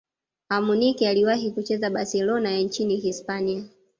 amunike aliwahi kucheza barcelona ya nchini hispania